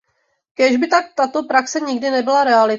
Kéž by tak tato praxe nikdy nebyla realitou.